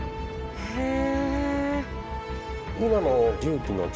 へえ。